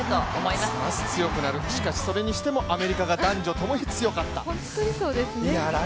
ますます強くなる、しかしそれにしてもアメリカが男女ともに強かった。